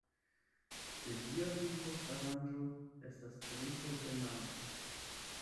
De lia vivo aranĝo estas trinko kaj manĝo.